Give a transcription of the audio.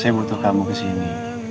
saya butuh kamu kesini